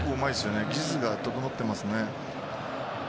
技術が整っています。